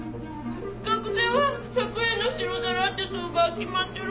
学生は１００円の白皿って相場は決まってるんですよ。